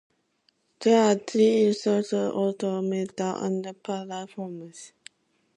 There are three isomers: the "ortho-", "meta-", and "para-" forms.